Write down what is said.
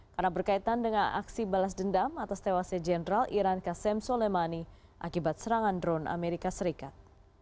karena berkaitan dengan aksi balas dendam atas tewasnya jenderal iran qasem soleimani akibat serangan drone amerika serikat